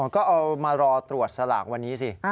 ก็เอามารอตรวจสลากวันนี้สิ